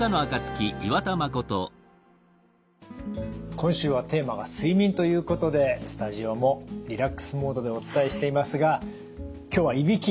今週はテーマが「睡眠」ということでスタジオもリラックスモードでお伝えしていますが今日はいびき。